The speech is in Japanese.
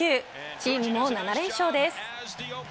チームも７連勝です。